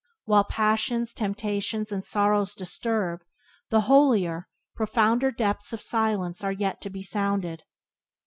While passions, temptations, and sorrows disturb, the holier, profounder depths of silence are yet to be sounded.